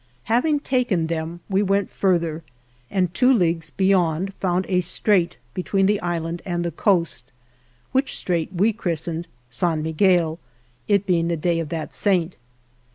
Having taken them, we went further, and two leagues beyond found a strait between the island and the coast, which strait we christened Sant Miguel, it being the day of that saint.